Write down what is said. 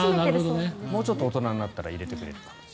もうちょっと大人になったら入れてくれるかも。